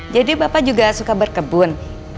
jadi bapak juga suka berkebun